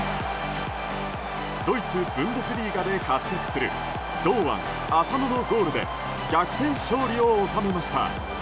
ドイツ・ブンデスリーガで活躍する堂安、浅野のゴールで逆転勝利を収めました。